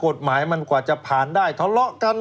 กฎหมายมันกว่าจะผ่านได้ทะเลาะกัน